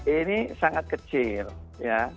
ini sangat kecil ya